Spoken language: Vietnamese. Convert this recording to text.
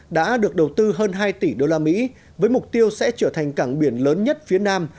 đã được đầu tư hơn hai tỷ usd với mục tiêu sẽ trở thành cảng biển lớn nhất phía nam